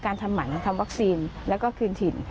การทำหมันทำวัคซีนและ฾ืนถิ่น